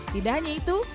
tidak hanya itu